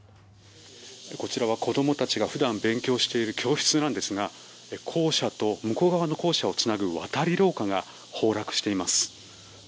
こちらは子どもたちが普段勉強している教室なんですが校舎と向こう側の校舎をつなぐ渡り廊下が崩落しています。